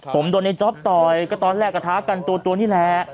ผมโดนในจ๊อปต่อยก็ตอนแรกกระทะกันตัวนี่แหละ